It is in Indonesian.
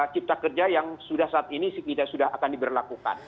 cipta kerja yang sudah saat ini sudah akan diberlakukan